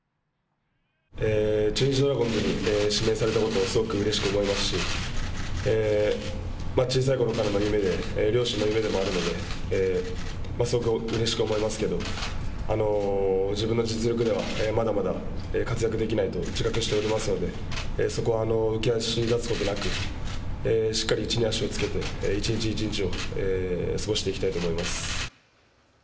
中日ドラゴンズに指名されたことすごくうれしく思いますし小さいころからの夢で両親の夢でもあるのですごくうれしく思いますけれども自分の実力ではまだまだ活躍できないと自覚しておりますので、そこは浮き足立つことなくしっかり地に足をつけて一日一日を過ごしていきたいと思います。